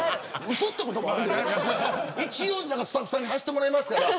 一応、スタッフさんに走ってもらいますから。